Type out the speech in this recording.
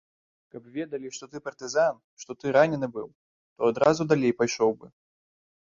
Каб ведалі, што ты партызан, што ты ранены быў, то адразу далей пайшоў бы.